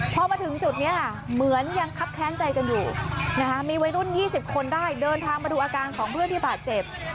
พอมาถึงจุดนี้ค่ะเหมือนยังครับแค้นใจกันอยู่นะคะมีวัยรุ่น๒๐คนได้เดินทางมาดูอาการของเพื่อนที่บาดเจ็บ